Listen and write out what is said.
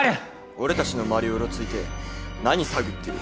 俺たちの周りをうろついて何探ってる？